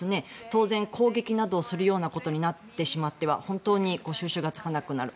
当然攻撃などするようなことになってしまっては収拾がつかなくなる。